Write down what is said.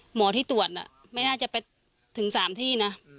หมอที่ตรวจไม่น่าจะไปถึง๓ที่นะ